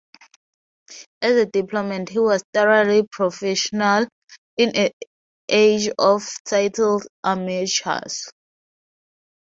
As a diplomat he was thoroughly professional, in an age of titled amateurs.